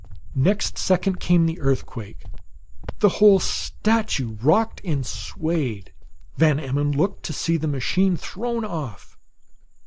Next second came the earthquake. The whole statue rocked and swayed; Van Emmon looked to see the machine thrown off.